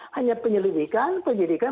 hanya penyelidikan penyelidikan